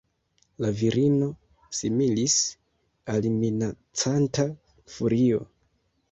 La virino similis al minacanta furio.